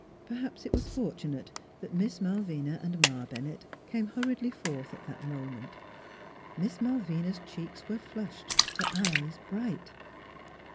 Perhaps it was fortunate that Miss Malvina and Ma Bennett came hurriedly forth at that moment. Miss Malvina's cheeks were flushed, her eyes bright.